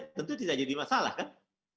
tentu tidak jadi masalah kan